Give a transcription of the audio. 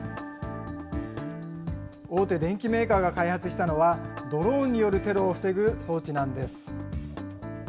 大手電機メーカーが開発したのは、ドローンによるテロを防ぐ装置なんです。